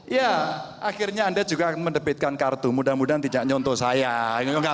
ya akhirnya anda juga akan mendebitkan kartu mudah mudahan tidak nyings saya gak